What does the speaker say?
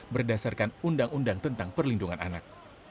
berdasarkan undang undang tentang perlindungan anak